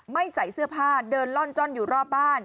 ใส่เสื้อผ้าเดินล่อนจ้อนอยู่รอบบ้าน